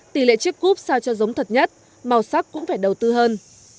tỷ lệ chiếc cúp sao cho giống thật nhất màu sắc cũng phải đầu tư hơn